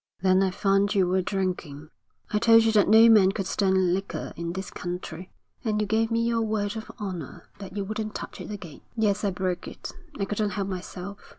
'Then I found you were drinking. I told you that no man could stand liquor in this country, and you gave me your word of honour that you wouldn't touch it again.' 'Yes, I broke it. I couldn't help myself.